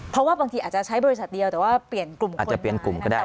เพราะว่าบางทีอาจจะใช้บริษัทเดียวแต่ว่าเปลี่ยนกลุ่มอาจจะเปลี่ยนกลุ่มก็ได้